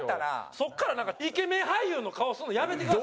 そこからイケメン俳優の顔するのやめてください。